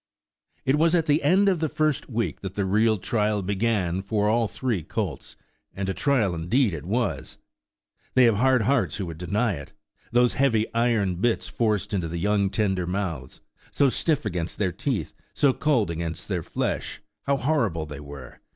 It was at the end of the first week that the real trial began for all three colts, and a trial indeed it was! They have hard hearts who would deny it. Those heavy iron bits forced into the young, tender mouths; so stiff against their teeth, so cold against their flesh, how horrible they were!